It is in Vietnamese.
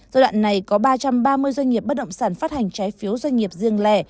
giai đoạn này có ba trăm ba mươi doanh nghiệp bất động sản phát hành trái phiếu doanh nghiệp riêng lẻ